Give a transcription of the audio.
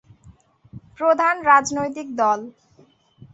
প্রধান রাজনৈতিক দল।